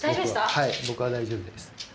はい僕は大丈夫です。